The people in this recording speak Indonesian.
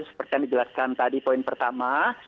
seperti yang dijelaskan tadi poin pertama